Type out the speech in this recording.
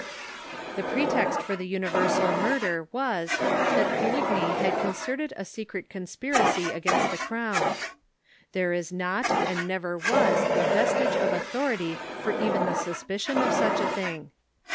* The pretext for the universal murder was, that Coligny had concerted a secret conspiracy against the crown. There is not, and never was, a vestige of authority for even the suspicion of such a thing.